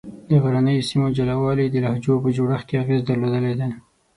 د غرنیو سیمو جلا والي د لهجو په جوړښت کې اغېز درلودلی دی.